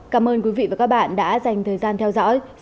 cảm ơn quý vị và các bạn đã theo dõi